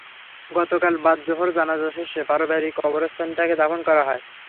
গতকাল বাদ জোহর জানাজা শেষে পারিবারিক কবরস্থানে তাঁকে দাফন করা হয়।